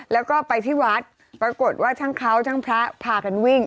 แล้วก็ไปที่วัดปรากฏว่าทั้งเขาทั้งพระพากันวิ่ง